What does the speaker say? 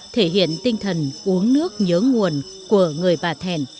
thể hiện tinh thần uống nước nhớ nguồn của người bà thẻn